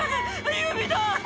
指だ！